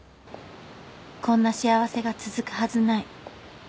「こんな幸せが続くはずない」